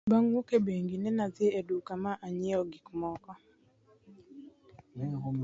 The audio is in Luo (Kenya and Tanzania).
Bang' wuok e bengi, nene adhi e duka ma anyiewo gik moko.